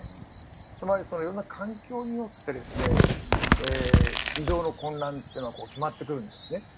つまりいろんな環境によって移動の困難というのは決まってくるんですね。